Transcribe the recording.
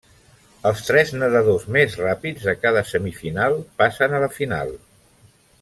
Els tres nedadors més ràpids de cada semifinal passen a la final.